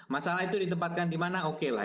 masalah itu ditempatkan di mana oke lah